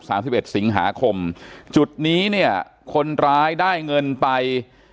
สิบเอ็ดสิงหาคมจุดนี้เนี่ยคนร้ายได้เงินไป